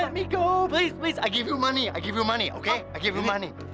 biarkan aku pergi tolong aku kasih uang